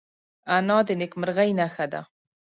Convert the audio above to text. انا د نیکمرغۍ نښه ده